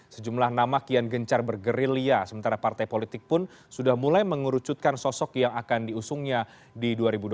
sejumlah nama kian gencar bergerilya sementara partai politik pun sudah mulai mengerucutkan sosok yang akan diusungnya di dua ribu dua puluh empat